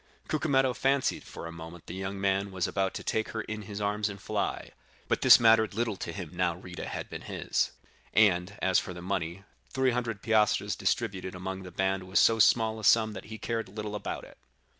Cucumetto fancied for a moment the young man was about to take her in his arms and fly; but this mattered little to him now Rita had been his; and as for the money, three hundred piastres distributed among the band was so small a sum that he cared little about it.